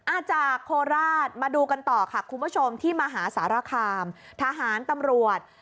จากโคราชมาดูกันต่อค่ะคุณผู้ชมที่มหาสารคามทหารตำรวจ